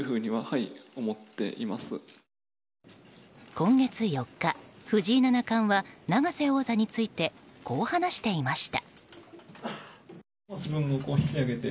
今月４日、藤井七冠は永瀬王座についてこう話していました。